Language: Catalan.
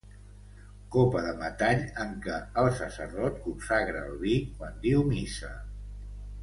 Copa de metall en què el sacerdot consagra el vi quan diu missa.